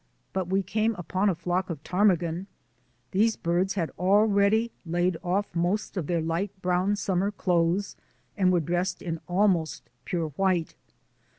But we came upon a flock of ptarmigan. These birds had already laid 234 THE ADVENTURES OF A NATURE GUIDE off most of their light brown summer clothes and were dressed in almost pure white.